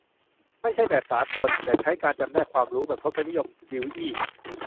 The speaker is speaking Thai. ไม่ใช่แบบสากล แต่ใช้การจำแนกความรู้แบบทศนิยมดิวอี้ ?